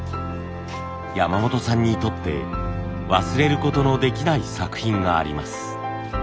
山本さんにとって忘れることのできない作品があります。